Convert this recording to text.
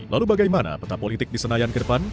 lalu bagaimana peta politik di senayan ke depan